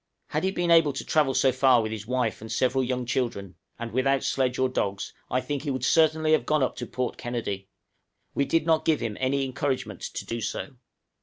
Had he been able to travel so far with his wife and several young children, and without sledge or dogs, I think he certainly would have gone up to Port Kennedy; we did not give him any encouragement to do so.